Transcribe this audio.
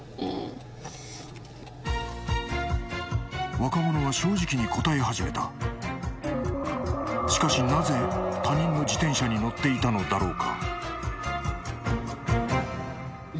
若者は正直に答え始めたしかしなぜ他人の自転車に乗っていたのだろうか？